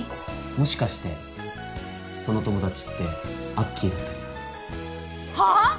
もしかしてその友達ってアッキーだったりはあ！？